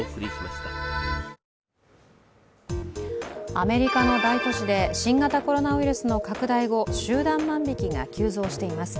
アメリカの大都市で新型コロナウイルスの拡大後集団万引きが急増しています。